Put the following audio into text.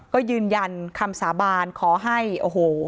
ก็ยืนยันคำสาบานขอให้โอ้โห